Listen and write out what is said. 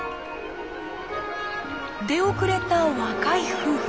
出遅れた若い夫婦。